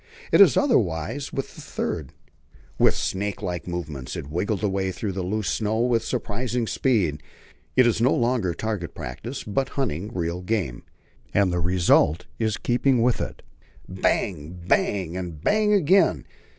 It is otherwise with the third. With snakelike movements it wriggles away through the loose snow with surprising speed. It is no longer target practice, but hunting real game, and the result is in keeping with it. Bang! bang! and bang again.